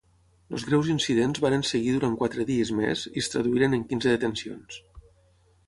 Els greus incidents varen seguir durant quatre dies més i es traduïren en quinze detencions.